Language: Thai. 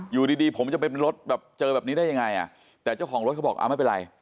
อยู่ดีดีผมจะไปเป็นรถแบบเจอแบบนี้ได้ยังไงอ่ะแต่เจ้าของรถเขาบอกอ่าไม่เป็นไร